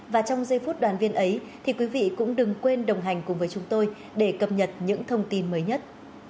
và trong giây phút đoàn viên ấy thì quý vị cũng đừng quên đồng hành cùng với chúng tôi để cập nhật những thông tin mới nhất